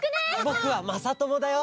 ぼくはまさともだよ！